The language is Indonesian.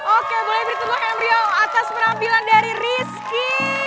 oke boleh bertemu hemrio atas perampilan dari rizky